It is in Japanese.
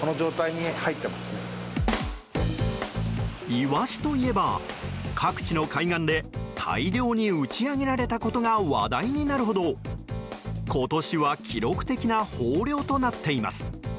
イワシといえば、各地の海岸で大量に打ち揚げられたことが話題になるほど今年は記録的な豊漁となっています。